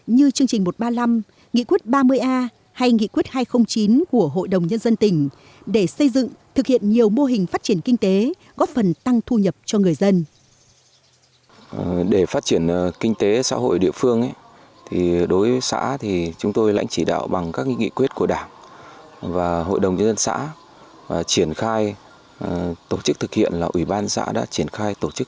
nghị quyết hai trăm linh chín của hội đồng nhân dân tỉnh về khuyến khích phát triển sản xuất đã được các cấp chính quyền địa phương áp dụng và đem lại hiệu quả thiết thực